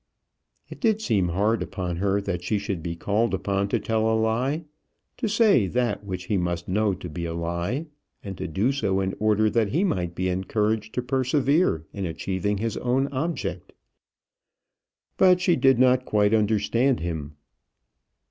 It did seem hard upon her that she should be called upon to tell a lie, to say that which he must know to be a lie, and to do so in order that he might be encouraged to persevere in achieving his own object. But she did not quite understand him.